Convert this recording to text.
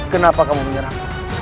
kenapa kamu menyerah